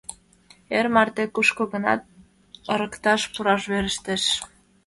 Эр марте кушко-гынат ырыкташ пураш верештеш.